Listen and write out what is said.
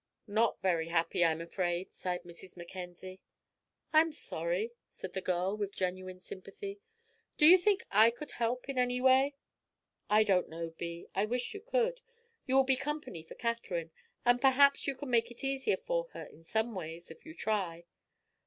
"Not very happy, I'm afraid," sighed Mrs. Mackenzie. "I'm sorry," said the girl, with genuine sympathy. "Do you think I could help in any way?" "I don't know, Bee I wish you could. You will be company for Katherine, and perhaps you can make it easier for her, in some ways, if you try."